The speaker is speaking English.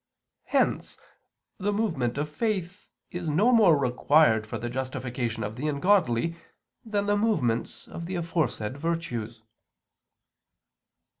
Hence the movement of faith is no more required for the justification of the ungodly, than the movements of the aforesaid virtues.